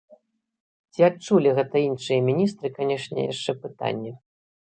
Ці адчулі гэта іншыя міністры, канешне, яшчэ пытанне.